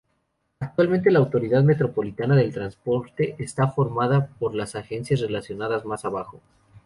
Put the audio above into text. Actualmente la Autoridad Metropolitana del Transporte está formada por las agencias relacionadas más abajo.